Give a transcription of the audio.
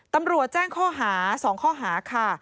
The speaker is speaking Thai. ตำรวจแจ้งข้อหา๒ข้อหาค่ะ